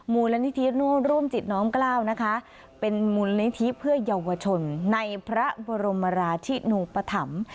มูลนิธิร่วมจิตน้อมกล้านะคะเป็นมูลนิธิเพื่อเยาวชนในพระบรมราชินูปธรรม